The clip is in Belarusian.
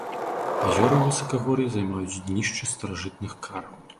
Азёры ў высакагор'і займаюць днішчы старажытных караў.